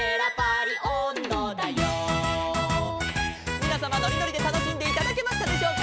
「みなさまのりのりでたのしんでいただけましたでしょうか」